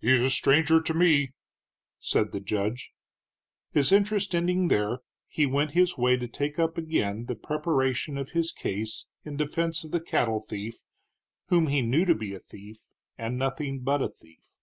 "He's a stranger to me," said the judge. His interest ending there, he went his way to take up again the preparation of his case in defense of the cattle thief whom he knew to be a thief, and nothing but a thief.